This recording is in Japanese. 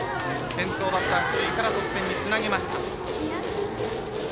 先頭バッター出塁から得点につなげました。